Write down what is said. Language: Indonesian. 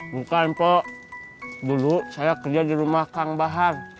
bukan pak dulu saya kerja di rumah kang bahar